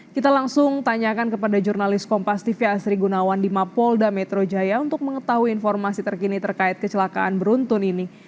kita langsung tanyakan kepada jurnalis kompas tv asri gunawan di mapolda metro jaya untuk mengetahui informasi terkini terkait kecelakaan beruntun ini